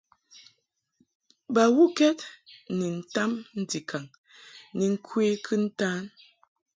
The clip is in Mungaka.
Bawukɛd ni ntam ndikaŋ ni ŋkwe kɨntan.